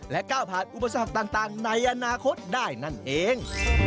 ก้าวผ่านอุปสรรคต่างในอนาคตได้นั่นเอง